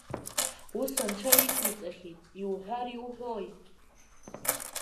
Ус Анцәа иқәиҵахьеит, иуҳәар иуҳәои…